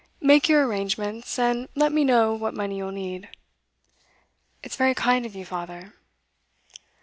Make your arrangements, and let me know what money you'll need.' 'It's very kind of you, father.